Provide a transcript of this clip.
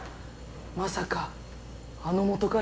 まさかあの元カレ？